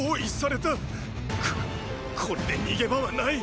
ここれで逃げ場はない。